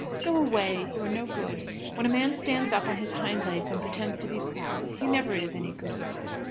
Go away. You are no good. When a man stands up on his hind legs and pretends to be proud he never is any good."